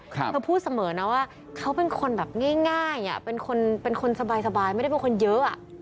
เธอพูดเสมอนะว่าเขาเป็นคนแบบง่ายเป็นคนเป็นคนสบายไม่ได้เป็นคนเยอะ